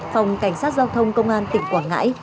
phòng cảnh sát giao thông công an tỉnh quảng ngãi